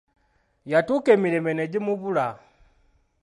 Yatuuka emirembe ne gimubula.